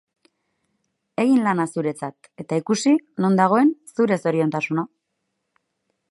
Egin lana zuretzat eta ikusi non dagoen zure zoriontasuna.